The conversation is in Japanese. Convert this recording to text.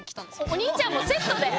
お兄ちゃんもセットで。